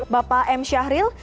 bapak m syahril